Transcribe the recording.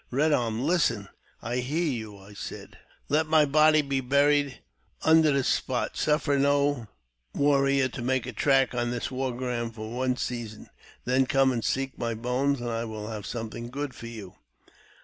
Red Arm, listen." " I hear you," I said. " Let my body be buried under this spot. Suffer no warrior to make a track on this war ground for one season. Then come and seek my bones, and I will have something good for you.